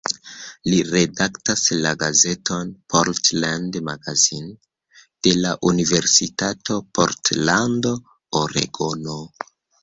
Li redaktas la gazeton "Portland Magazine" de la Universitato Portlando, Oregono.